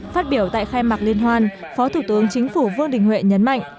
phát biểu tại khai mạc liên hoan phó thủ tướng chính phủ vương đình huệ nhấn mạnh